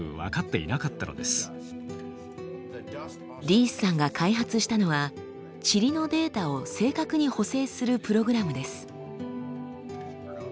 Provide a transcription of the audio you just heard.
リースさんが開発したのはチリのデータを正確に補正するプログラムです。